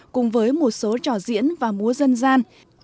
cùng với một số trò diễn và múa dân gian